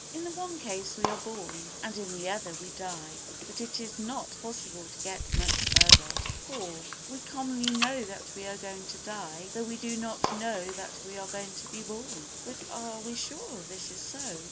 In the one case we are born and in the other we die, but it is not possible to get much further. iv We commonly know that we are going to die though we do not know that we are going to be born. But are we sure this is so?